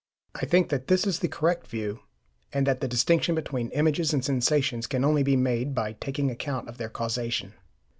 I think that this is the correct view, and that the distinction between images and sensations can only be made by taking account of their causation.